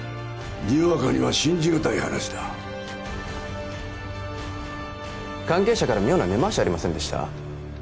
にわかには信じがたい話だ関係者から妙な根回しありませんでした？